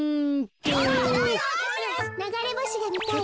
ながれぼしがみたいわ。